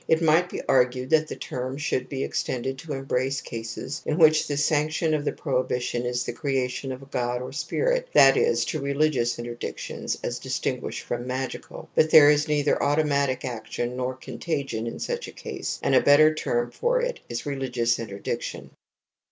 It might be argued that the term should be extended to embrace cases in which the sanction of the prohibition is the creation of a god or spirit, i.e., to religious interdictions as distinguished from magical, but there is neither automatic action nor contagion in such a case, and a better term for it is religi ous interdiction.